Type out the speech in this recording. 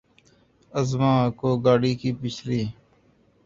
اعظمی کو گاڑی کی پچھلی